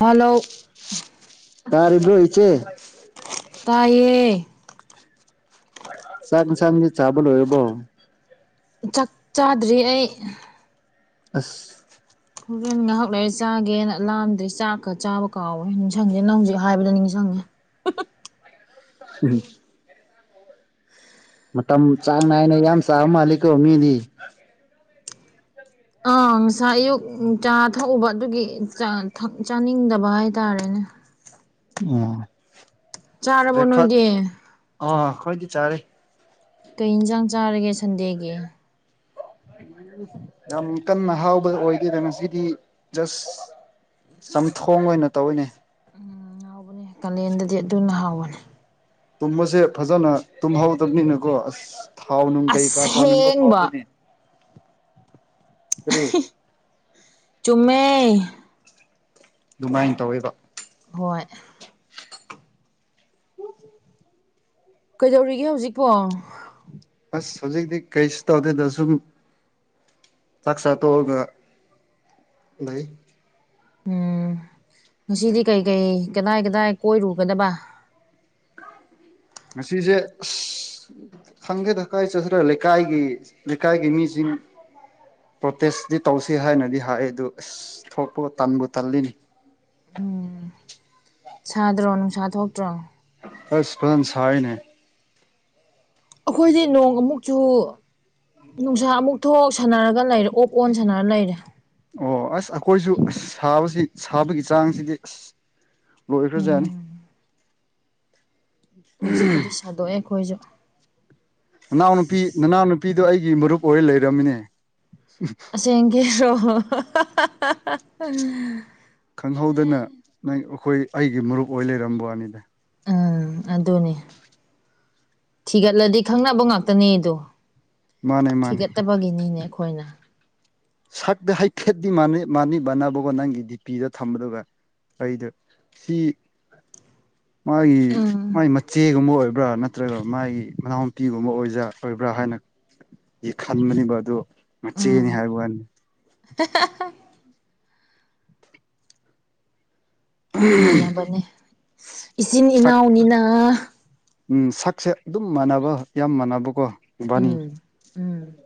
hello ꯇꯔꯤꯕ꯭ꯔꯣ ꯏꯆꯦ ꯇꯥꯏꯌꯦ ꯆꯪ ꯏꯟꯁꯥꯡꯗꯤ ꯆꯥꯕ ꯂꯣꯔꯏꯕꯣ ꯆꯥꯛ ꯆꯥꯗ꯭ꯔꯤ ꯑꯩ ꯑꯁ ꯍꯣꯔꯦꯟ ꯉꯥꯏꯍꯥꯛ ꯂꯩꯔ ꯆꯥꯒꯦꯅ ꯂꯥꯝꯗꯩ ꯆꯥꯛ ꯀꯥ ꯆꯥꯕ ꯀꯥꯎꯋꯦ ꯅꯤꯡꯁꯪꯗꯦ ꯅꯪ ꯍꯧꯖꯤꯛ ꯍꯥꯏꯕꯗ ꯅꯤꯡꯁꯪꯉꯦ ꯎꯝ ꯇꯝ ꯆꯥꯡ ꯅꯥꯏꯅ ꯌꯥꯝ ꯆꯥꯕ ꯃꯥꯂꯤ ꯀꯣ ꯃꯤꯗꯤ ꯑꯥ ꯉꯁꯥꯏ ꯑꯌꯨꯛ ꯆꯥ ꯊꯛꯎꯕ ꯑꯗꯨꯒꯤ ꯆꯥꯅꯤꯡꯗꯕ ꯍꯥꯏꯇꯥꯔꯦꯅꯦ ꯑꯣ ꯆꯥꯔꯕꯣ ꯕ꯭ꯔꯦꯛꯐꯥꯁ ꯅꯣꯏꯗꯤ ꯑꯥ ꯈꯣꯏꯗꯤ ꯆꯥꯔꯦ ꯀꯩ ꯏꯟꯁꯥꯡ ꯆꯥꯔꯒꯦ ꯁꯟꯗꯦꯒꯤ ꯌꯥꯝ ꯀꯟꯅ ꯍꯥꯎꯕ ꯑꯣꯏꯈꯤꯦꯗ ꯉꯁꯤꯗꯤ ꯖꯁ ꯆꯝꯊꯣꯡ ꯑꯣꯏꯅ ꯇꯧꯔꯤꯅꯦ ꯍꯥꯎꯕꯅꯦ ꯀꯥꯂꯦꯟꯗꯗꯤ ꯑꯗꯨꯅ ꯍꯥꯎꯕꯅꯤ ꯇꯨꯝꯕꯁꯦ ꯐꯖꯅ ꯇꯨꯝꯍꯧꯗꯕꯅꯤꯅꯀꯣ ꯑꯁ ꯊꯥꯎ ꯅꯨꯡ ꯀꯩꯀꯥ ꯁꯥꯅꯤꯡꯕ ꯑꯁꯦꯡꯕ ꯐꯥꯎꯗꯣꯏꯅꯦ ꯆꯨꯝꯃꯦ ꯑꯗꯨꯃꯥꯏꯅ ꯇꯧꯋꯦꯕ ꯍꯣꯏ ꯀꯩꯗꯧꯔꯤꯒꯦ ꯍꯧꯖꯤꯛꯄꯣ ꯑꯁ ꯍꯧꯖꯤꯛꯇꯤ ꯀꯩꯁꯨ ꯇꯧꯗꯦꯗ ꯁꯨꯝ ꯆꯥꯛꯆꯥ ꯊꯣꯛ ꯑ ꯒꯂꯩ ꯎꯝ ꯉꯁꯤꯗꯤ ꯀꯩ ꯀꯩ ꯀꯗꯥꯏ ꯀꯗꯥꯏ ꯀꯣꯏꯔꯨꯒꯗꯕ ꯉꯁꯤꯁꯦ ꯑꯁ ꯈꯪꯒꯦꯗꯀꯥꯏ ꯆꯠꯁꯤ꯭ꯔ ꯂꯩꯀꯥꯏꯒꯤ ꯂꯩꯀꯥꯏꯒꯤ ꯃꯤꯁꯤꯡ ꯄ꯭ꯔꯣꯇꯦꯁꯇꯤ ꯇꯧꯁꯤ ꯍꯥꯏꯅꯗꯤ ꯍꯥꯏꯑ ꯑꯗꯨ ꯑꯁ ꯊꯣꯛꯄꯨ ꯇꯟꯕꯨ ꯇꯜꯂꯤꯅꯤ ꯁꯥꯗ꯭ꯔꯣ ꯅꯨꯡꯁꯥ ꯊꯣꯛꯇ꯭ꯔꯣ ꯑꯁ ꯐꯁꯟ ꯁꯥꯏꯅꯦ ꯑꯩꯈꯣꯏꯗꯤ ꯅꯣꯡ ꯑꯃꯨꯛꯆꯨ ꯅꯨꯡꯁꯥ ꯑꯃꯨꯛ ꯊꯣꯛ ꯁꯥꯟꯅꯔꯒ ꯂꯩꯔꯦ ꯑꯣꯛ ꯑꯣꯟ ꯁꯥꯟꯅꯔ ꯂꯩꯔꯦ ꯑꯣ ꯑꯁ ꯑꯩꯈꯣꯏꯁꯨ ꯁꯥꯕꯁꯤ ꯁꯥꯕꯒꯤ ꯆꯥꯡꯁꯤꯗꯤ ꯑꯁ ꯂꯣꯏꯈ꯭ꯔꯖꯅꯤ ꯎꯝ ꯍꯧꯖꯤꯛꯄꯨꯗꯤ ꯁꯥꯗꯣꯛꯑꯦ ꯑꯩꯈꯣꯏꯁꯨ ꯅꯅꯥꯎꯅꯨꯄꯤ ꯅꯅꯥꯎꯅꯨꯄꯤꯗꯣ ꯑꯩꯒꯤ ꯃꯔꯨꯞ ꯑꯣꯏꯔ ꯂꯩꯔꯝꯃꯤꯅꯦ ꯆꯦꯡꯒꯤ ꯔꯣ ꯍ ꯍ ꯈꯪꯍꯧꯗꯅ ꯅꯪ ꯑꯩꯈꯣꯏ ꯑꯩꯒꯤ ꯃꯔꯨꯞ ꯑꯣꯏ ꯂꯩꯔꯝꯕ ꯋꯥꯅꯤꯗ ꯎꯝ ꯑꯗꯨꯅꯦ ꯊꯤꯒꯠꯂꯗꯤ ꯈꯪꯅꯕ ꯉꯥꯛꯇꯅꯦꯗꯣ ꯃꯥꯅꯦ ꯃꯥꯅꯦ ꯕꯒꯤꯅꯤꯅꯦ ꯑꯩꯈꯣꯏꯅ ꯁꯛꯇ ꯍꯥꯏꯐꯦꯠꯇꯗꯤ ꯃꯥꯅꯤꯕꯅꯕꯀꯣ ꯅꯪꯒꯤ ꯗꯤꯄꯤꯗ ꯊꯝꯕꯗꯨꯒ ꯑꯩꯗ ꯁꯤ [unintelligible] ꯃꯥꯒꯤ ꯎꯝ ꯃꯥ ꯃ ꯆꯦꯒꯨꯝꯕ ꯑꯣꯏꯕ꯭ꯔꯥ ꯅꯠꯇ꯭ꯔꯒ ꯃꯥꯒꯤ ꯃꯅꯥꯎꯨꯄꯤꯒꯨꯝꯕ ꯑꯣꯏꯖ ꯑꯣꯏꯕ꯭ꯔꯥ ꯍꯥꯏꯅ ꯈꯟꯕꯅꯦꯕ ꯑꯗꯨ ꯃꯆꯦꯅꯤ ꯍꯥꯏꯕ ꯋꯥꯅꯤ ꯍ ꯃꯥꯟꯅꯕꯅꯦ ꯏꯆꯤꯟ ꯁꯛ ꯏꯅꯥꯎꯅꯤꯅ ꯎꯝ ꯁꯛꯁꯦ ꯑꯗꯨꯝ ꯃꯥꯟꯅꯕ ꯌꯥꯝ ꯃꯥꯟꯅꯕꯀꯣꯕꯥꯅꯤ ꯎꯝ ꯎꯝ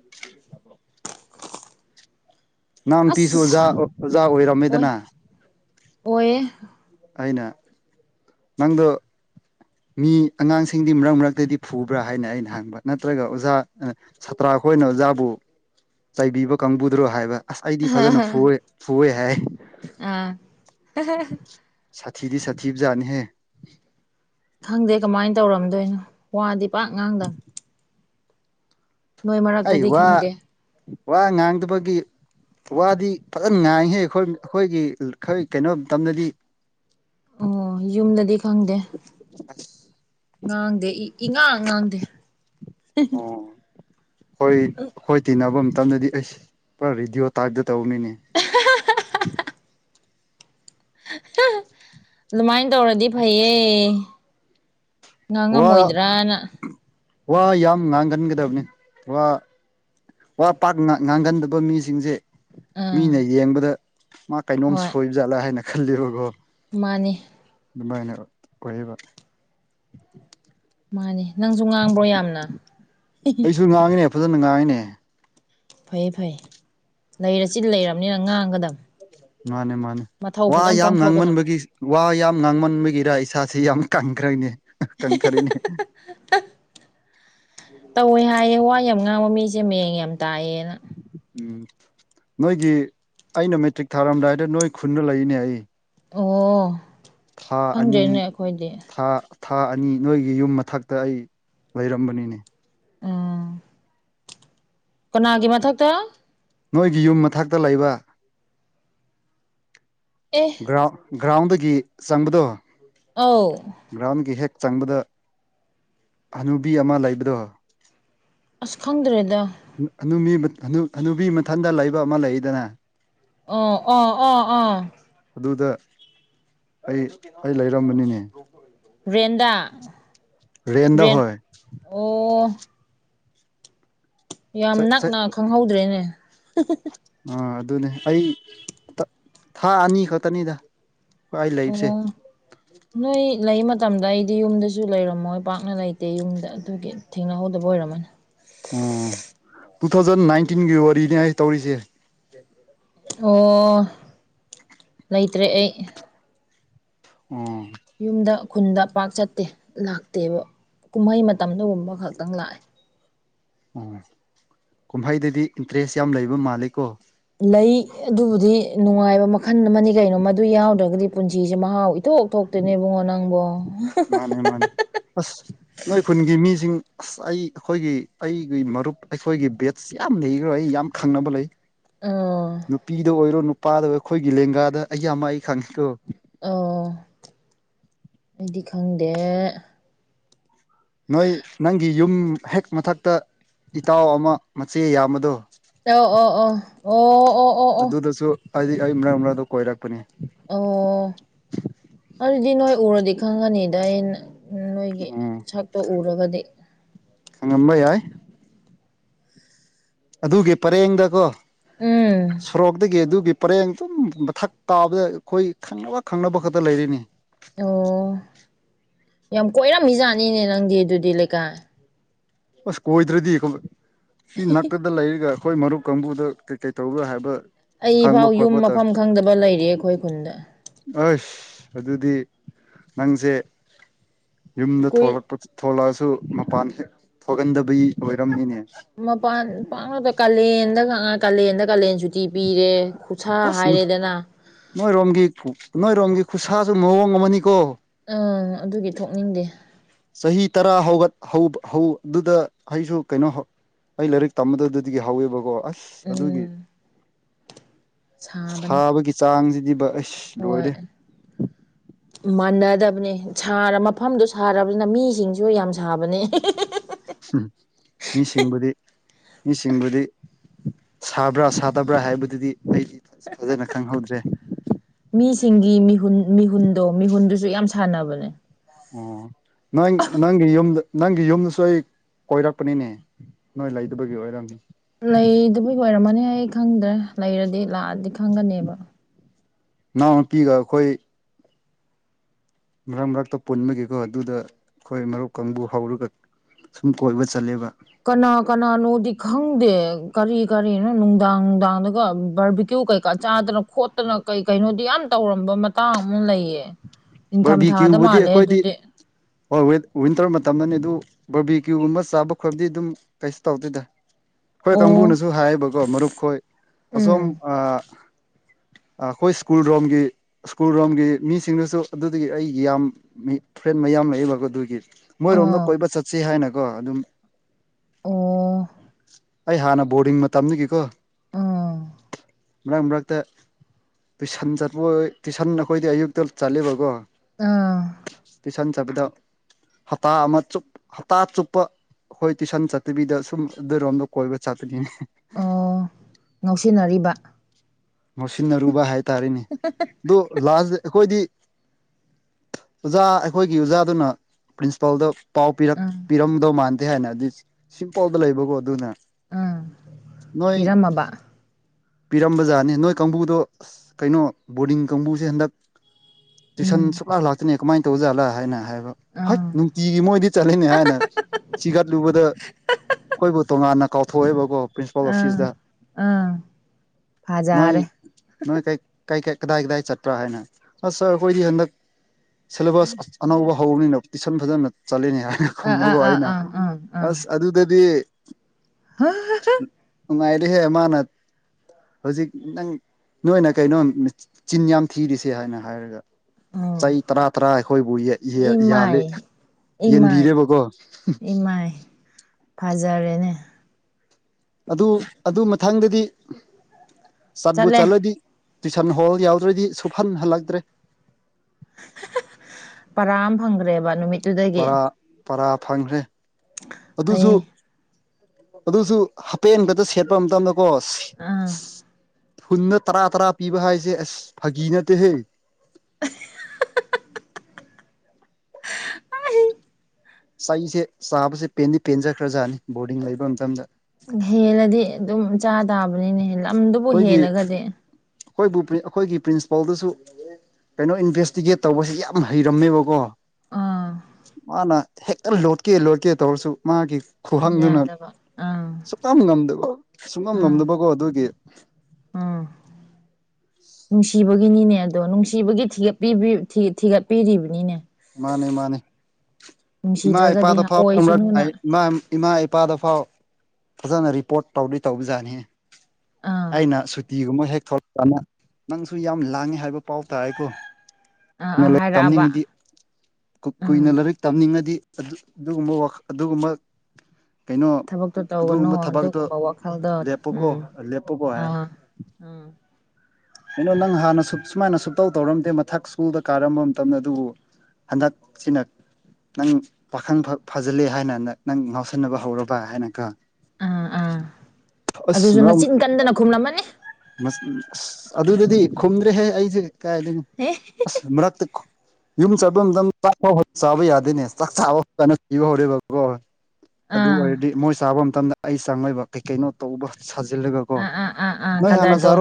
ꯅꯅꯥ ꯅꯨꯄꯤꯁꯨ ꯑꯁ ꯑꯣꯖꯥ ꯑꯣꯖꯥ ꯑꯣꯏꯔꯝꯃꯦꯗꯅ ꯑꯣꯏ ꯑꯦ ꯑꯩꯅ ꯅꯪꯗꯣ ꯃꯤ ꯑꯉꯥꯡꯁꯤꯡꯗꯤ ꯃꯔꯛ ꯃꯔꯛꯇꯗꯤ ꯐꯨꯕ꯭ꯔꯥ ꯍꯥꯏꯅ ꯑꯩꯅ ꯍꯪꯕ ꯅꯠꯇ꯭ꯔꯒ ꯑꯣꯖꯥ ꯁꯥꯇ꯭ꯔ ꯑꯩꯈꯣꯏꯅ ꯑꯣꯖꯥꯕꯨ ꯆꯥꯏꯕꯤꯕ ꯀꯥꯡꯕꯨꯗ꯭ꯔꯣ ꯍꯥꯏꯕ ꯑꯁ ꯑꯩꯗꯤ ꯐꯖꯅ ꯐ ꯐꯨꯑꯦ ꯍꯥꯏ ꯑ ꯁꯥꯊꯤꯗꯤ ꯁꯥꯊꯤꯕ ꯖꯥꯅꯤꯍꯦ ꯈꯪꯗꯦ ꯀꯃꯥꯏꯅ ꯇꯧꯔꯝꯗꯣꯏꯅꯣ ꯋꯥꯗꯤ ꯄꯥꯛ ꯉꯥꯡꯗꯅ ꯑꯩ ꯃꯔꯛꯇꯗꯤ ꯋꯥ ꯈꯪꯗꯦ ꯋꯥ ꯉꯥꯡꯗꯕꯒꯤ ꯋꯥꯗꯤ ꯐꯖꯅ ꯉꯥꯡꯍꯦ ꯑꯩꯈꯣꯏ ꯑꯩꯈꯣꯏꯒꯤ ꯈꯔ ꯀꯩꯅꯣ ꯃꯇꯝꯗꯗꯤ ꯑꯣ ꯌꯨꯝꯗꯗꯤ ꯈꯪꯗꯦ ꯉꯥꯡꯗꯦ ꯏ ꯏꯉꯥꯡ ꯉꯥꯡꯗꯦ ꯑꯈꫭꯏ ꯑꯈꫭꯏ ꯇꯤꯟꯅꯕ ꯃꯇꯝꯗꯗꯤ ꯑꯩꯁ ꯄꯨꯔꯥ ꯔꯦꯗꯤꯑꯣ ꯇꯥꯏꯞꯇ ꯇꯧꯕꯅꯤꯅꯦ [unintelligible] ꯑꯗꯨꯃꯥꯏ ꯇꯧꯔꯗꯤ ꯐꯩꯌꯦ ꯋꯥ ꯉꯥꯡꯉꯝꯃꯣꯏꯗ꯭ꯔꯅ ꯋꯥ ꯌꯥꯝ ꯉꯥꯡꯒꯟꯒꯗꯕꯅꯦ ꯋꯥ ꯋꯥ ꯄꯥꯛ ꯉꯥꯡꯒꯟꯗꯕ ꯃꯤꯁꯤꯡꯁꯦ ꯑꯥ ꯃꯤꯅ ꯌꯦꯡꯕꯗ ꯃꯥ ꯀꯩꯅꯣꯝ ꯍꯣꯏ ꯁꯣꯏꯕ ꯖꯥꯠꯂꯥ ꯍꯥꯏꯅ ꯈꯜꯂꯦꯕꯀꯣ ꯃꯥꯅꯤ ꯑꯗꯨꯃꯥꯏꯅ ꯑꯣꯏꯌꯦꯕ ꯃꯥꯅꯦ ꯅꯪꯁꯨ ꯉꯥꯡꯕ꯭ꯔꯣ ꯌꯥꯝꯅ ꯉꯥꯡꯉꯦ ꯐꯖꯅ ꯉꯥꯡꯉꯤꯅꯦ ꯐꯩ ꯐꯩ ꯂꯩꯔ ꯆꯤꯜ ꯂꯩꯔꯕꯅꯤꯅ ꯉꯥꯡꯒꯗꯝꯅꯦ ꯃꯥꯅꯦ ꯃꯥꯅꯦ ꯋꯥ ꯌꯥꯝ ꯄꯥꯡꯊꯣꯛꯀꯗꯕꯅꯤ ꯉꯥꯡꯃꯟꯕꯒꯤ ꯋꯥ ꯌꯥꯝ ꯉꯥꯡꯃꯟꯕꯒꯤꯔ ꯏꯁꯥꯁꯤ ꯌꯥꯝ ꯀꯪꯈ꯭ꯔꯦꯅꯦ ꯀꯪꯊꯔꯦꯅꯦ ꯇꯧꯋꯦ ꯍꯥꯏꯌꯦ ꯋꯥ ꯌꯥꯝ ꯉꯥꯡꯕ ꯃꯤꯁꯦ ꯃꯌꯦꯡ ꯌꯥꯝ ꯇꯥꯏꯌꯦꯅ ꯎꯝ ꯅꯣꯏꯒꯤ ꯑꯩꯅ ꯃꯦꯇ꯭ꯔꯤꯛ ꯊꯥꯔꯝꯗꯥꯏꯗ ꯅꯣꯏ ꯈꯨꯟꯗ ꯂꯩꯅꯦ ꯑꯩ ꯑꯣ ꯊꯥ ꯑꯅꯤ ꯈꯪꯗ꯭ꯔꯦꯅꯦ ꯑꯩꯈꯣꯏꯗꯤ ꯊꯥ ꯊꯥ ꯑꯅꯤ ꯅꯣꯏꯒꯤ ꯌꯨꯝ ꯃꯊꯛꯇ ꯑꯩ ꯂꯩꯔꯝꯕꯅꯤꯅꯦ ꯎꯝ ꯀꯅꯥꯒꯤ ꯃꯊꯛꯇ ꯅꯣꯏꯒꯤ ꯌꯨꯝ ꯃꯊꯛꯇ ꯂꯩꯕ ꯑꯦ ꯒ꯭ꯔꯥꯎꯟ ꯒ꯭ꯔꯥꯎꯟꯗꯒꯤ ꯆꯪꯕꯗꯣ ꯑꯧ ꯒ꯭ꯔꯥꯎꯟꯒꯤ ꯍꯦꯛ ꯆꯪꯕꯗ ꯍꯅꯨꯕꯤ ꯑꯃ ꯂꯩꯕꯗꯣ ꯑꯁ ꯈꯪꯗ꯭ꯔꯦꯗ ꯍꯥꯅꯨꯕꯤ ꯍꯥꯅꯨꯕꯤ ꯃꯊꯟꯗ ꯂꯩꯕ ꯑꯃ ꯂꯩꯗꯅ ꯑꯣ ꯑꯣ ꯑꯣ ꯑꯣ ꯑꯗꯨꯗ ꯑꯩ ꯑꯩ ꯂꯩꯔꯝꯕꯅꯤꯅꯦ ꯔꯦꯟꯗ ꯔꯦꯟꯗ ꯔꯦꯟ ꯍꯣꯏ ꯑꯣ ꯌꯥꯝ ꯆꯠ ꯆꯠ ꯅꯛꯅ ꯈꯪꯍꯧꯗ꯭ꯔꯦꯅꯦ ꯑꯥ ꯑꯗꯨꯅꯦ ꯑꯩ ꯇꯠ ꯊꯥ ꯑꯅꯤ ꯈꯛꯇꯅꯤꯗ ꯑꯩ ꯂꯩꯕꯁꯦ ꯑꯣ ꯅꯣꯏ ꯂꯩ ꯃꯇꯝꯗ ꯑꯩꯗꯤ ꯌꯨꯝꯗꯁꯨ ꯂꯩꯔꯝꯃꯣꯏ ꯄꯥꯛꯅ ꯂꯩꯇꯦ ꯌꯨꯝꯗ ꯑꯗꯨꯒꯤ ꯊꯦꯡꯅꯍꯧꯗꯕ ꯑꯣꯏꯔꯝꯃꯅꯤ ꯑꯣ ꯇꯨ ꯊꯥꯎꯖꯟ ꯅꯥꯏꯟꯇꯤꯟꯒꯤ ꯋꯥꯔꯤꯅꯦ ꯑꯩ ꯇꯧꯔꯤꯖꯦ ꯑꯣ ꯂꯩꯇ꯭ꯔꯦ ꯑꯩ ꯎꯝ ꯌꯨꯝꯗ ꯈꯨꯟꯗ ꯄꯥꯛ ꯆꯠꯇꯦ ꯂꯥꯛꯇꯦꯕ ꯀꯨꯝꯍꯩ ꯃꯇꯝꯗ ꯒꯨꯝꯕ ꯈꯛꯇꯪ ꯂꯥꯛꯑꯦ ꯑꯣ ꯀꯨꯝꯍꯩꯗꯗꯤ ꯏꯟꯇꯔꯦꯁ ꯌꯥꯝ ꯂꯩꯕ ꯃꯥꯜꯂꯦꯀꯣ ꯂꯩ ꯑꯗꯨꯕꯨꯗꯤ ꯅꯨꯡꯉꯥꯏꯕ ꯃꯈꯜ ꯑꯃꯅꯤ ꯀꯩꯅꯣ ꯃꯗꯨ ꯌꯥꯎꯗ꯭ꯔꯒꯗꯤ ꯄꯨꯟꯁꯤꯁꯦ ꯃꯍꯥꯎ ꯊꫭꯛ ꯊꯣꯛꯇꯣꯏꯅꯦ ꯏꯕꯨꯡꯉꯣ ꯅꯪꯕꯣ ꯃꯥꯅꯦ ꯃꯥꯅꯤ ꯑꯁ ꯅꯣꯏ ꯈꯨꯟꯒꯤ ꯃꯤꯁꯤꯡ ꯑꯁ ꯑꯩ ꯑꯩꯈꯣꯏꯒꯤ ꯑꯩꯒꯤ ꯃꯔꯨꯞ ꯑꯩꯈꯣꯏꯒꯤ ꯕꯦꯠꯁ ꯌꯥꯝ ꯂꯩꯈ꯭ꯔꯦ ꯑꯩ ꯌꯥꯝ ꯈꯪꯅꯕ ꯂꯩ ꯑꯥ ꯅꯨꯄꯤꯗ ꯑꯣꯏꯔꯣ ꯅꯨꯄꯥꯗ ꯑꯣꯏꯔꯣ ꯑꯩꯈꯣꯏꯒꯤ ꯂꯦꯡꯒꯥꯗ ꯑꯌꯥꯝꯕ ꯑꯩ ꯈꯪꯉꯤꯀꯣ ꯑꯣ ꯑꯩꯗꯤ ꯈꯪꯗꯦ ꯅꯣꯏ ꯅꯪꯒꯤ ꯌꯨꯝ ꯍꯦꯛ ꯃꯊꯛꯇ ꯏꯇꯥꯎ ꯑꯃ ꯃꯆꯦ ꯌꯥꯝꯕꯗꯣ ꯇ ꯑꯣ ꯑꯣ ꯑꯣ ꯑꯣ ꯑꯣ ꯑꯣ ꯑꯗꯨꯗꯁꯨ ꯑꯩꯗꯤ ꯑꯩ ꯃꯔꯛ ꯃꯔꯛꯗ ꯀꯣꯏꯔꯛꯄꯅꯤ ꯑꯣ ꯑꯗꯨꯗꯤ ꯅꯣꯏ ꯎꯔꯗꯤ ꯈꯪꯉꯅꯤꯗ ꯑꯩꯅ ꯅꯣꯏꯒꯤ ꯎꯝ ꯁꯛꯇꯣ ꯎꯔꯒꯗꯤ ꯈꯪꯉꯝꯕ ꯌꯥꯏ ꯑꯗꯨꯒꯤ ꯄꯔꯦꯡꯗꯀꯣ ꯎꯝ ꯁꯣꯔꯣꯛꯇꯒꯤ ꯑꯗꯨꯒꯤ ꯄꯔꯦꯡ ꯁꯨꯝ ꯃꯊꯛ ꯇꯥꯕꯗ ꯑꯩꯈꯣꯏ ꯈꯪꯅꯕ ꯈꯪꯅꯕ ꯈꯛꯇ ꯂꯩꯔꯤꯅꯤ ꯑꯣ ꯌꯥꯝ ꯀꯣꯏꯔꯝꯃꯤꯖꯥꯠꯅꯤꯅꯦ ꯅꯪꯗꯤ ꯑꯗꯨꯗꯤ ꯂꯩꯀꯥꯏ ꯑꯁ ꯀꯣꯏꯗꯔꯗꯤ ꯁꯤ ꯅꯛꯗ ꯂꯩꯔꯒ ꯍꯣꯏ ꯃꯔꯨꯞ ꯀꯥꯡꯕꯨꯗ ꯀꯩꯀꯩ ꯇꯧꯕꯥ ꯍꯥꯏꯕ ꯍꯪꯕ ꯑꯩꯐꯥꯎ ꯌꯨꯝ ꯈꯣꯠꯄ ꯇꯧ ꯃꯐꯝ ꯈꯪꯗꯕ ꯂꯩꯔꯤ ꯑꯩꯈꯣꯏ ꯈꯨꯟꯗ ꯑꯁ ꯑꯗꯨꯗꯤ ꯅꯪꯁꯦ ꯌꯨꯝꯗ ꯀꯨꯏ ꯊꯣꯛꯂꯛꯄ ꯊꯣꯛꯂꯛꯑꯁꯨ ꯃꯄꯥꯟ ꯍꯦꯛ ꯊꯣꯛꯍꯟꯗꯕꯒꯤ ꯑꯣꯏꯔꯝꯃꯤꯅꯦ ꯃꯄꯥꯟꯂꯗ ꯀꯥꯂꯦꯟꯗ ꯀꯥꯂꯦꯟꯗ ꯀꯥꯂꯦꯟ ꯁꯨꯇꯤ ꯄꯤꯔꯦ ꯈꯨꯠꯁꯥ ꯑꯁ ꯍꯥꯏꯔꯦꯗꯅ ꯅꯣꯏꯔꯣꯝꯒꯤ ꯅꯣꯏꯔꯣꯝꯒꯤ ꯈꯨꯠꯁꯥꯁꯨ ꯃꯑꯣꯡ ꯑꯃꯅꯤꯀꯣ ꯑꯪ ꯑꯗꯨꯒꯤ ꯊꯣꯛꯅꯤꯡꯗꯦ ꯆꯍꯤ ꯇꯔꯥ ꯍꯧꯒꯠ ꯑꯗꯨꯗ ꯑꯩꯁꯨ ꯀꯩꯅꯣ ꯑꯩ ꯂꯥꯏꯔꯤꯛ ꯇꯝꯕꯗ ꯗꯒꯤ ꯍꯧꯋꯦꯕꯀꯣ ꯑꯁ ꯑꯗꯨꯒꯤ ꯎꯝ ꯁꯥꯕꯅꯤ ꯁꯥꯕꯒꯤ ꯆꯥꯡꯁꯤꯗꯤ ꯕ ꯑꯁ ꯍꯣꯏ ꯂꯣꯏꯔꯦ ꯃꯥꯟꯅꯗꯕꯅꯦ ꯁꯥꯔ ꯃꯐꯝꯗꯣ ꯁꯥꯔꯕꯅꯤꯅ ꯃꯤꯁꯤꯡꯁꯨ ꯌꯥꯝ ꯁꯥꯕꯅꯦ ꯎ ꯃꯤꯁꯤꯡꯕꯨꯗꯤ ꯃꯤꯁꯤꯡꯕꯨꯗꯤ ꯁꯥꯕ꯭ꯔꯥ ꯁꯥꯗꯕ꯭ꯔꯥ ꯍꯥꯏꯕꯗꯨꯗꯤ ꯑꯩꯗꯤ ꯐꯖꯅ ꯈꯪꯍꯧꯗ꯭ꯔꯦ ꯃꯤꯁꯤꯡꯒꯤ ꯃꯤꯍꯨꯟ ꯃꯤꯍꯨꯟꯗꯣ ꯃꯤꯍꯨꯟꯗꯨꯁꯨ ꯌꯥꯝ ꯁꯥꯟꯅꯕꯅꯦ ꯑꯣ ꯅꯪ ꯅꯪꯒꯤ ꯌꯨꯝꯗ ꯅꯪꯒꯤ ꯌꯨꯝꯗꯁꯨ ꯑꯩ ꯀꯣꯏꯔꯛꯄꯅꯤꯅꯦ ꯅꯣꯏ ꯂꯩꯗꯕꯒꯤ ꯑꯣꯏꯔꯝꯅꯤ ꯂꯩꯗꯕꯩ ꯑꯣꯏꯔꯝꯃꯅꯤ ꯑꯩ ꯈꯪꯗ꯭ꯔꯦ ꯂꯩꯔꯗꯤ ꯂꯥꯛꯑꯗꯤ ꯈꯪꯒꯅꯦꯕ ꯏꯅꯥꯎ ꯅꯨꯄꯤꯒ ꯑꯩꯈꯣꯏ ꯃꯔꯛ ꯃꯔꯛꯇ ꯄꯨꯟꯕꯒꯤꯀꯣ ꯑꯗꯨꯗ ꯑꯩꯈꯣꯏ ꯃꯔꯨꯞ ꯀꯥꯡꯕꯨ ꯍꯧꯔꯒ ꯁꯨꯝ ꯀꯣꯏꯕ ꯆꯠꯂꯦꯕ ꯀꯅꯥ ꯀꯅꯥꯅꯣꯗꯤ ꯈꯪꯗꯦ ꯀꯔꯤ ꯀꯔꯤꯅꯣ ꯅꯨꯡꯗꯥꯡ ꯅꯨꯡꯗꯥꯡꯗꯒ ꯕꯔꯕꯤꯀ꯭ꯌꯨ ꯀꯩ ꯆꯥꯗꯅ ꯈꯣꯠꯇꯅ ꯀꯩ ꯀꯩꯅꯣꯗꯤ ꯌꯥꯝ ꯇꯧꯔꯝꯕ ꯃꯇꯥꯡ ꯑꯃ ꯂꯩꯌꯦ ꯕꯔꯕꯤ ꯅꯤꯡꯊꯝꯊꯥꯗ ꯀ꯭ꯌꯨꯕꯨꯗꯤ ꯃꯥꯜꯂꯦ ꯑꯩꯈꯣꯏꯗꯤ ꯑꯗꯨꯗꯤ ꯍꯣꯏ ꯋꯤꯟꯇꯔ ꯃꯇꯝꯗꯅꯤ ꯑꯗꯨ ꯕꯔꯕꯤ ꯀ꯭ꯌꯨꯒꯨꯝꯕ ꯆꯥꯕ ꯈꯠꯕꯗꯤ ꯑꯗꯨꯝ ꯀꯩꯁꯨ ꯇꯧꯗꯣꯏꯗ ꯍꯣꯏ ꯑꯣ ꯀꯥꯡꯕꯨꯅꯁꯨ ꯍꯥꯏꯌꯦꯕꯀꯣ ꯃꯔꯨꯞ ꯈꯣꯏ ꯎꯝ ꯑꯁꯣꯝ ꯑꯩꯈꯣꯏ ꯁ꯭ꯀꯨꯜ ꯔꯣꯝꯒꯤ ꯁ꯭ꯀꯨꯜ ꯔꯣꯝꯒꯤ ꯃꯤꯁꯤꯡꯗꯨꯁꯨ ꯑꯗꯨꯗꯒꯤ ꯑꯩꯒꯤ ꯌꯥꯝ ꯃꯤ ꯐ꯭ꯔꯦꯟ ꯃꯌꯥꯝ ꯂꯩꯕ ꯑꯗꯨꯒꯤ ꯃꯣꯏꯔꯣꯝꯗ ꯑꯥ ꯀꯣꯏꯕ ꯆꯠꯁꯤ ꯍꯥꯏꯅꯀꯣ ꯑꯗꯨꯝ ꯑꯣ ꯑꯩ ꯍꯥꯟꯅ ꯕꯣꯔꯗꯤꯡ ꯃꯇꯝꯗꯒꯤꯀꯣ ꯑꯥ ꯃꯔꯛ ꯃꯔꯛꯇ ꯇꯨꯏꯁꯟ ꯆꯠꯄ ꯇꯨꯏꯁꯟ ꯑꯩꯈꯣꯏꯗꯤ ꯑꯌꯨꯛꯇ ꯆꯠꯂꯦꯕꯀꯣ ꯑꯥ ꯇꯨꯏꯁꯟ ꯆꯠꯄꯗ ꯍꯞꯇꯥ ꯑꯃ ꯍꯇꯥ ꯆꯨꯞꯄ ꯍꯣꯏ ꯇꯨꯏꯁꯟ ꯆꯠꯇꯕꯤꯗ ꯁꯨꯝ ꯑꯗꯨꯔꯣꯝꯗ ꯀꯣꯏꯕ ꯆꯠꯄꯅꯤꯅꯦ ꯑꯣ ꯉꯥꯎꯁꯤꯟꯅꯔꯤꯕ ꯉꯣꯠꯁꯤꯟꯅꯔꯨꯕ ꯍꯥꯏꯇꯥꯔꯦꯅꯦ ꯑꯗꯨꯣ ꯂꯥꯁ ꯑꯩꯈꯣꯏꯗꯤ ꯑꯣꯖꯥ ꯑꯩꯈꯣꯏꯒꯤ ꯑꯣꯖꯥꯗꯨꯅ ꯄ꯭ꯔꯤꯟꯁꯤꯄꯥꯜꯗ ꯄꯥꯎ ꯄꯤꯔꯛ ꯎꯝ ꯄꯤꯔꯝꯗꯧ ꯃꯥꯟꯗꯦ ꯍꯥꯏꯅ ꯑꯗꯨ ꯁꯤꯝꯄꯜꯗ ꯂꯩꯕꯀꯣ ꯑꯗꯨꯅ ꯎꯝ ꯅꯣꯏ ꯄꯤꯔꯝꯃꯕ ꯄꯤꯔꯝ ꯕꯖꯥꯅꯤ ꯅꯣꯏ ꯀꯥꯡꯕꯨꯗꯣ ꯀꯩꯅꯣ ꯕꯣꯔꯗꯤꯡ ꯀꯥꯡꯕꯨꯁꯦ ꯍꯟꯗꯛ ꯇꯨꯏꯁꯟ ꯎꯝ ꯁꯨꯛꯂꯥꯡ ꯂꯥꯛꯇꯦꯅꯦ ꯀꯃꯥꯏꯅ ꯇꯧꯖꯠꯂ ꯍꯥꯏꯅ ꯍꯥꯏꯕ ꯑ ꯍꯣꯏꯠ ꯑꯥ ꯅꯨꯡꯇꯤꯒꯤ ꯃꯣꯏꯗꯤ ꯆꯠꯂꯤꯅꯦ ꯍꯥꯏꯅ ꯊꯤꯒꯠꯂꯨꯕꯗ ꯈꯣꯏꯕꯨ ꯇꯣꯉꯥꯟꯅ ꯀꯥꯎꯊꯣꯛꯑꯦꯕꯀꯣ ꯄ꯭ꯔꯤꯟꯁꯤꯄꯥꯜ ꯑꯥ ꯑꯣꯐꯤꯁꯇ ꯑꯥ ꯅꯣꯏ ꯐꯖꯔꯦ ꯅꯣꯏ ꯀꯥꯏ ꯀꯥꯏ ꯀꯗꯥꯏ ꯀꯗꯥꯏ ꯆꯠꯄ꯭ꯔꯥ ꯍꯥꯏꯅ ꯑꯁ ꯁꯥꯔ ꯑꯩꯈꯣꯏꯗꯤ ꯍꯟꯗꯛ ꯁꯤꯂꯦꯕꯁ ꯑꯅꯧꯕ ꯍꯧꯕꯅꯤꯅ ꯇꯨꯏꯁꯟ ꯐꯖꯅ ꯆꯠꯂꯤꯅꯤ ꯍꯥꯏꯅ ꯑꯥ ꯑꯥ ꯈꯨꯝꯕꯒꯣ ꯑꯥ ꯑꯩꯅ ꯑꯥ ꯑꯥ ꯑꯥ ꯑꯁ ꯑꯗꯨꯗꯗꯤ [unintelligible] ꯅꯨꯡꯉꯥꯏꯔꯤꯍꯦ ꯃꯥꯅ ꯍꯧꯖꯤꯛ ꯅꯪ ꯅꯣꯏꯅ ꯀꯩꯅꯣ ꯆꯤꯟ ꯌꯥꯝ ꯊꯤꯔꯤꯁꯦ ꯍꯥꯏꯅ ꯍꯥꯏꯔꯒ ꯎꯝ ꯆꯍꯤ ꯇꯔꯥ ꯇꯔꯥ ꯑꯩꯈꯣꯏꯕꯨ ꯌꯥꯜꯂꯤ ꯏꯃꯥꯏ ꯏꯃꯥꯏ ꯌꯦꯟꯕꯤꯔꯦꯕꯀꯣ ꯏꯃꯥꯏ ꯐꯖꯔꯦꯅꯦ ꯑꯗꯨ ꯑꯗꯨ ꯃꯊꯥꯡꯗꯗꯤ ꯆꯠꯕꯨ ꯆꯠꯂꯦ ꯆꯠꯂꯗꯤ ꯇꯨꯏꯁꯟ ꯍꯣꯜ ꯌꯥꯎꯗ꯭ꯔꯗꯤ ꯁꯨꯞꯍꯟ ꯍꯜꯂꯛꯇ꯭ꯔꯦ ꯄꯔꯥ ꯑꯃ ꯐꯪꯒ꯭ꯔꯦꯕ ꯅꯨꯃꯤꯠ ꯄꯔꯥ ꯄꯔꯥ ꯐꯪꯈ꯭ꯔꯦ ꯑꯗꯨꯁꯨ ꯐꯩꯌꯦ ꯑꯗꯨꯁꯨ ꯍꯥꯞꯄꯦꯟ ꯈꯛꯇ ꯁꯦꯠꯄ ꯃꯇꯝꯗꯀꯣ ꯑꯥ [unintelligible] ꯇꯔꯥ ꯇꯔꯥ ꯄꯤꯕ ꯍꯥꯏꯁꯦ ꯑꯁ ꯐꯥꯒꯤ ꯅꯠꯇꯦꯍꯦ ꯆꯩꯁꯦ ꯆꯥꯕꯁꯦ ꯄꯦꯟꯗꯤ ꯄꯦꯟꯖꯈ꯭ꯔꯖꯥꯠꯅꯤ ꯕꯣꯔꯗꯤꯡ ꯂꯩꯕ ꯃꯇꯝꯗ ꯍꯦꯜꯂꯗꯤ ꯑꯗꯨꯝ ꯆꯥ ꯇꯥꯕꯅꯤꯅꯦ ꯂꯝꯗꯨꯕꯨ ꯍꯦꯜꯂꯒꯗꯤ ꯈꯣꯏꯕꯨ ꯄ꯭ꯔꯤꯟ ꯑꯩꯈꯣꯏꯒꯤ ꯄ꯭ꯔꯤꯟꯁꯤꯄꯥꯜꯗꯨꯁꯨ ꯀꯩꯅꯣ ꯏꯟꯚꯦꯁꯇꯤꯒꯦꯠ ꯇꯧꯕꯁꯤ ꯌꯥꯝ ꯍꯩꯔꯝꯃꯦꯕꯀꯣ ꯑꯥ ꯃꯥꯅ ꯍꯦꯛꯇ ꯂꯣꯠꯀꯦ ꯂꯣꯠꯀꯦ ꯇꯧꯔꯁꯨ ꯃꯥꯒꯤ ꯈꯨꯍꯪꯗꯨꯅ ꯌꯥꯗꯕ ꯑꯥ ꯁꯨꯡꯉꯝ ꯉꯝꯗꯕ ꯁꯨꯡꯉꯝ ꯎꯝ ꯉꯝꯗꯕꯀꯣ ꯑꯗꯨꯒꯤ ꯎꯝ ꯅꯨꯡꯁꯤꯕꯒꯤꯅꯤꯅꯦ ꯑꯗꯣ ꯅꯨꯡꯁꯤꯕꯒꯤ ꯊꯤꯒꯠꯄꯤ ꯊꯤꯒꯠꯄꯤꯔꯤꯕꯅꯤꯅꯦ ꯃꯥꯟꯅꯦ ꯃꯥꯟꯅꯦ ꯏꯃꯥ ꯅꯨꯡꯁꯤꯗ꯭ꯔꯒꯗꯤ ꯏꯄꯥꯗ ꯐꯥꯎꯕ ꯑꯣꯏꯁꯅꯨꯅ [inaudible] ꯏꯃꯥ ꯏꯃꯥ ꯏꯄꯥꯗꯐꯥꯎ ꯐꯖꯅ ꯔꯤꯄꯣꯔꯠ ꯇꯧꯗꯤ ꯇꯧꯕꯖꯥꯠꯅꯤꯍꯦ ꯑꯥ ꯑꯩꯅ ꯁꯨ ꯇꯤꯒꯨꯝꯕ ꯍꯦꯛ ꯊꯣꯛꯂꯛꯀꯥꯟꯁ ꯅꯪꯁꯨ ꯌꯥꯝ ꯂꯥꯡꯉꯤ ꯍꯥꯏꯕ ꯄꯥꯎ ꯇꯥꯏꯀꯣ ꯑꯥ ꯑꯥ ꯍꯥꯏꯔꯛꯑꯕ ꯇꯝꯅꯤꯡꯉꯗꯤ ꯀꯨ ꯀꯨꯏꯅ ꯎꯝ ꯂꯥꯏꯔꯤꯛ ꯇꯥꯅꯤꯡꯉꯗꯤ ꯗꯤ ꯑꯗꯨꯒꯨꯝꯕ ꯋꯥꯈꯜ ꯑꯗꯨꯒꯨꯝꯕ ꯀꯩꯅꯣ ꯊꯕꯛꯇꯣ ꯇꯧꯒꯅꯨ ꯑꯗꯨꯒꯨꯝꯕ ꯊꯕꯛꯇꯣ ꯑꯗꯨꯒꯨꯝꯕ ꯋꯥꯈꯜꯗꯣ ꯂꯦꯞꯄꯣꯀꯣ ꯎꯝ ꯂꯦꯞꯄꯣꯀꯣ ꯍꯥꯏ ꯑꯥ ꯎꯝ ꯀꯩꯅꯣ ꯅꯪ ꯍꯥꯟꯅ ꯁ ꯁꯨꯃꯥꯏꯅ ꯁꯨꯇꯧ ꯇꯧꯔꯝꯗꯦ ꯃꯊꯛ ꯁ꯭ꯀꯨꯜꯗ ꯀꯥꯔꯝꯕ ꯃꯇꯝꯗ ꯑꯗꯨꯕꯨ ꯍꯟꯗꯛ ꯁꯤꯅ ꯅꯪ ꯄꯥꯈꯪ ꯐ ꯐꯥꯖꯜꯂꯦ ꯍꯥꯏꯅ ꯅꯪ ꯉꯥꯎꯁꯟꯅꯕ ꯍꯧꯔꯕ ꯍꯥꯏꯅꯀꯣ ꯑꯥ ꯑꯥ ꯑꯗꯨꯁꯨ ꯅꯆꯤꯟ ꯀꯟꯗꯅ ꯈꯨꯝꯂꯝꯃꯅꯤ [unintelligible] ꯑꯗꯨꯗꯤ ꯈꯨꯝꯗ꯭ꯔꯦꯍꯦ ꯑꯩꯁꯦ ꯀꯥꯏꯗꯩ ꯑꯦ ꯑꯁ ꯃꯔꯛꯇ ꯌꯨꯝ ꯆꯠꯄ ꯃꯇꯝꯗ ꯆꯥꯛ ꯆꯥꯕ ꯌꯥꯗꯦꯅꯦ ꯆꯥꯛ ꯆꯥꯕ ꯐꯖꯅ ꯊꯤꯕ ꯍꯧꯔꯦꯕꯀꯣ ꯑꯗꯨ ꯑꯥ ꯑꯣꯏꯔꯗꯤ ꯃꯣꯏ ꯆꯥꯕ ꯃꯇꯝꯗ ꯑꯩ ꯆꯪꯂꯩꯕ ꯀꯩ ꯀꯩꯅꯣ ꯇꯧꯕ ꯁꯥꯖꯤꯜꯂꯒ ꯑ ꯑ ꯑ ꯑ ꯀꯗꯔꯗꯣ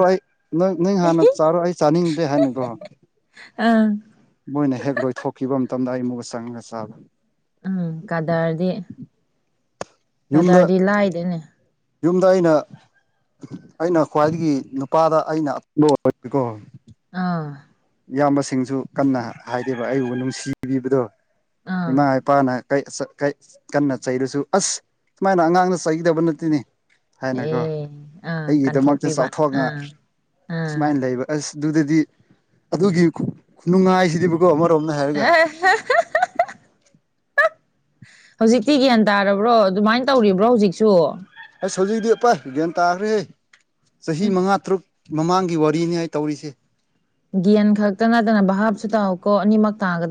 ꯅꯪ ꯍꯥꯟꯅ ꯆꯥꯔꯣ ꯑꯩ ꯆꯥꯅꯤꯡꯗꯦ ꯍꯥꯏꯅꯀꯣ ꯑꯥ ꯃꯣꯏꯅ ꯍꯦꯛ ꯂꯣꯏꯊꯣꯛꯈꯤꯕ ꯃꯇꯝꯗ ꯑꯩ ꯃꯨꯛ ꯆꯪꯉꯒ ꯆꯥꯕ ꯎꯝ ꯀꯗꯔꯗꯤ ꯌꯨꯝꯗ ꯀꯗꯔꯗꯤ ꯂꯥꯏꯗꯦꯅꯦ ꯌꯨꯝꯗ ꯑꯩꯅ ꯑꯩꯅ ꯈ꯭ꯋꯥꯏꯗꯒꯤ ꯅꯨꯄꯥꯗ ꯑꯩꯅ [inaudible] ꯑꯣꯏꯀꯣ ꯑꯥ ꯏꯌꯥꯝꯕꯁꯤꯡꯁꯨ ꯀꯟꯅ ꯍꯥꯏꯗꯦꯕ ꯑꯩꯕꯨ ꯅꯨꯡꯁꯤꯕꯤꯕꯗꯣ ꯑꯥ ꯏꯃꯥ ꯏꯄꯥꯅ ꯀꯩ ꯆ ꯀꯩ ꯆ ꯀꯟꯅ ꯆꯩꯔꯁꯨ ꯑꯁ ꯁꯨꯃꯥꯏꯅ ꯑꯉꯥꯡꯗ ꯆꯩꯒꯗꯕ ꯅꯠꯇꯦꯅꯦ ꯍꯥꯏꯅꯀꯣ ꯑꯦ ꯑꯥ ꯑꯩꯒꯤꯗꯃꯛꯇ ꯀꯟꯊꯣꯛꯄꯤꯕ ꯆꯥꯎꯊꯣꯛꯅ ꯑꯥ ꯑꯥ ꯁꯨꯃꯥꯏꯟ ꯂꯩꯕ ꯑꯁ ꯑꯗꯨꯗꯗꯤ ꯑꯗꯨꯒꯤ ꯈꯨ ꯈꯨꯅꯨꯡꯉꯥꯏꯁꯤꯗꯤꯕꯀꯣ ꯑꯃꯔꯣꯝꯗ ꯍꯥꯏꯔꯒ [unintelligible] ꯍꯧꯖꯤꯛꯇꯤ ꯒ꯭ꯌꯥꯟ ꯇꯥꯔꯕ꯭ꯔꯣ ꯑꯗꯨꯃꯥꯏꯟ ꯇꯧꯔꯤꯕ꯭ꯔꯣ ꯍꯧꯖꯤꯛꯁꯨ ꯑꯩꯁ ꯍꯧꯖꯤꯛꯇꯤ ꯄꯥꯏ ꯒ꯭ꯌꯥꯟ ꯇꯥꯒ꯭ꯔꯦꯍꯦ ꯆꯍꯤ ꯃꯉꯥ ꯇꯔꯨꯛ ꯃꯃꯥꯡꯒꯤ ꯋꯥꯔꯤꯅꯤ ꯑꯩ ꯇꯧꯔꯤꯁꯦ ꯒꯦꯟ ꯈꯛꯇ ꯅꯠꯇꯅ ꯚꯥꯞꯁꯨ ꯇꯥꯎꯀꯣ ꯑꯅꯤꯃꯛ ꯇꯥꯒ